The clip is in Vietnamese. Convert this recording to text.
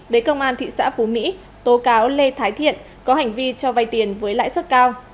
đế công an thị xã phú mỹ tố cáo lê thái thiện có hành vi cho vay tiền với lãi suất cao